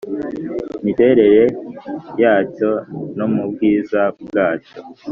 miterere yacyo no mu bwiza bwacyo: